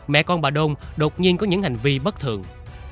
mẹ con bà đôn đột nhiên có những hành vi bất thường